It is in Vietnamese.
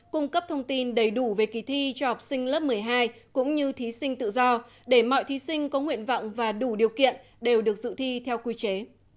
cung cấp thông tin đầy đủ về kỳ thi cho học sinh lớp một mươi hai cũng như thí sinh tự do để mọi thí sinh có nguyện vọng và đủ điều kiện đều được dự thi theo quy chế